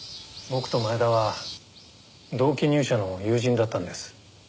僕と前田は同期入社の友人だったんです。